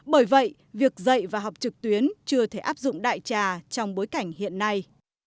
bởi vậy việc dạy và học trực tuyến chưa thể áp dụng đại trà trong bối cảnh hiện nay